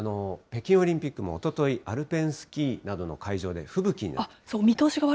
北京オリンピックもおととい、アルペンスキーなどの会場で吹雪に。